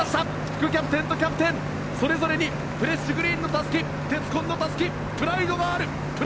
副キャプテンとキャプテンそれぞれにフレッシュグリーンのたすき鉄紺のたすき、プライドがある！